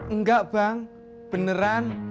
enggak bang beneran